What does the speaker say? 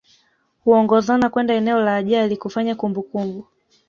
Huongozana kwenda eneo la ajali kufanya kumbukumbu